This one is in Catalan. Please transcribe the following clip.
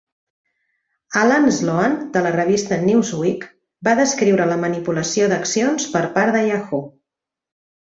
Allan Sloan, de la revista "Newsweek", va descriure la manipulació d'accions per part de Yahoo!